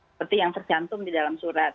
seperti yang tercantum di dalam surat